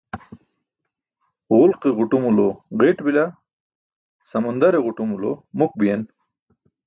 Ġulke ġuṭumulo ġi̇t bila, samandare ġuṭumulo muk biyen.